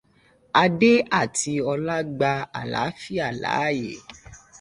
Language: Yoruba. Adé àti Ọlá gba alàáfíà láàyè.